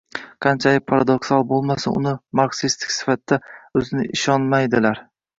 qanchalik paradoksal bo‘lmasin uni marksist sifatida o‘zi ishonmaydiganlar